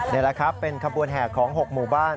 นี่แหละครับเป็นขบวนแห่ของ๖หมู่บ้าน